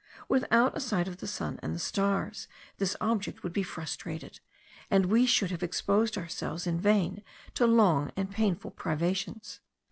Without a sight of the sun and the stars this object would be frustrated, and we should have exposed ourselves in vain to long and painful privations.